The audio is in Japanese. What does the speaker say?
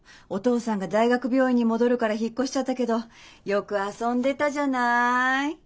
お父さんが大学病院に戻るから引っ越しちゃったけどよく遊んでたじゃない。